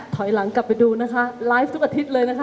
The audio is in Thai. ถอยหลังกลับไปดูนะคะไลฟ์ทุกอาทิตย์เลยนะคะ